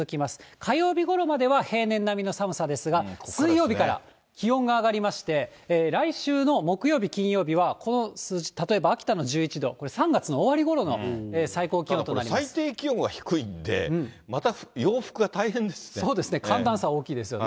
火曜日ごろまでは平年並みの寒さですが、水曜日から気温が上がりまして、来週の木曜日、金曜日は、この数字、例えば秋田の１１度、これ、３月の終わりごろの最高気温となりまただ、最低気温が低いんで、そうですね、寒暖差大きいですよね。